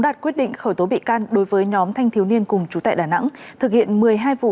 đạt quyết định khởi tố bị can đối với nhóm thanh thiếu niên cùng chú tại đà nẵng thực hiện một mươi hai vụ